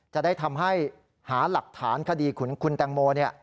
จะได้ทำให้หาหลักฐานคดีขุนคุณแตงโม